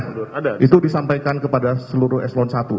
pernah itu disampaikan kepada seluruh s satu